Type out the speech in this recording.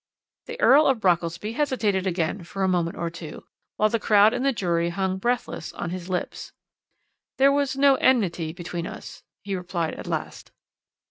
"The Earl of Brockelsby hesitated again for a minute or two, while the crowd and the jury hung breathless on his lips. "'There was no enmity between us,' he replied at last.